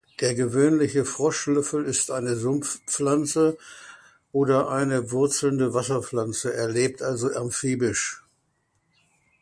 Der Gewöhnliche Froschlöffel ist eine Sumpfpflanze oder eine wurzelnde Wasserpflanze, er lebt also amphibisch.